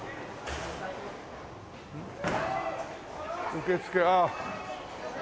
受付ああ。